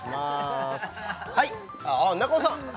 はいああ中尾さん